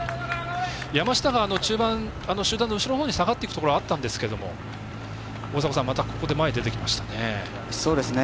山下が中盤、集団の後ろに下がっていくようなことがあったんですがまた前に出てきましたね。